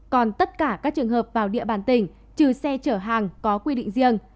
còn tất cả các trường hợp vào địa bàn tỉnh trừ xe chở hàng có quy định riêng